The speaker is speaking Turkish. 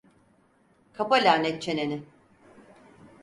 Kapa lanet çeneni!